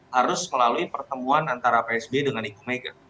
harus melalui pertemuan antara pak sby dengan ibu mega